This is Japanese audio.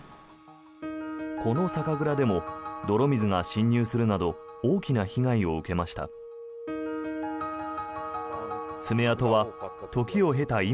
この酒蔵でも泥水が侵入するなど大きな被害を受けました。